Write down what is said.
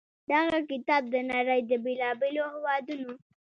دغه کتاب د نړۍ د بېلا بېلو هېوادونو